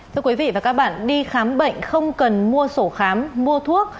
thưa quý vị và các bạn đi khám bệnh không cần mua sổ khám mua thuốc